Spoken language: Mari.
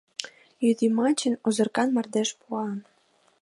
Йӱдйымачын озыркан мардеж пуа.